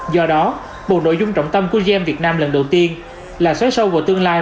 do đó một nội dung trọng tâm của gm việt nam lần đầu tiên là xoáy sâu vào tương lai